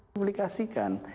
tapi belum dipublikasikan